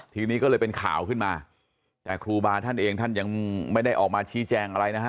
ทีนี้ก็เลยเป็นข่าวขึ้นมาแต่ครูบาท่านเองท่านยังไม่ได้ออกมาชี้แจงอะไรนะฮะ